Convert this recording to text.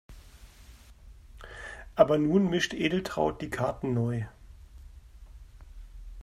Aber nun mischt Edeltraud die Karten neu.